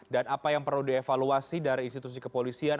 dan apa yang perlu dievaluasi dari institusi kepolisian